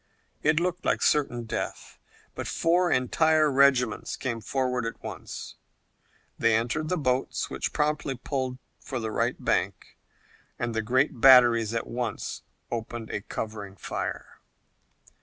It looked like certain death, but four entire regiments came forward at once. They entered the boats, which promptly pulled for the right bank, and the great batteries at once opened a covering fire.